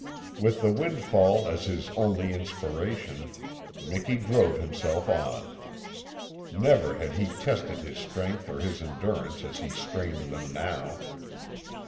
With the windfall as his only inspiration Miki drove himself on. Never had he tested his strength or his endurance as he strained them now.